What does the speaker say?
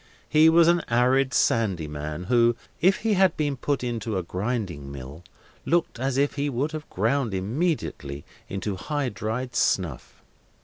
He was an arid, sandy man, who, if he had been put into a grinding mill, looked as if he would have ground immediately into high dried snuff.